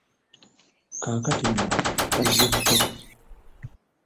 Kaakati nno bazze buto.